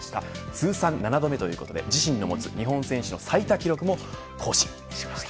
通算７度目ということで自身の持つ日本選手最多記録も更新しました。